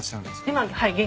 今はい。